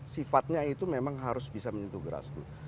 sifatnya itu memang harus bisa menyentuh geras rut